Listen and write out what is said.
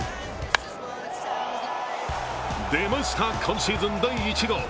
出ました、今シーズン第１号。